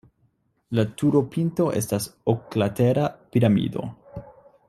La turopinto estas oklatera piramido.